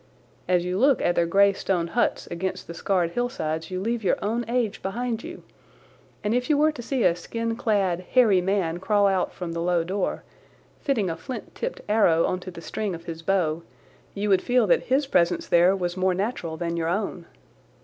As you look at their grey stone huts against the scarred hillsides you leave your own age behind you, and if you were to see a skin clad, hairy man crawl out from the low door fitting a flint tipped arrow on to the string of his bow, you would feel that his presence there was more natural than your own.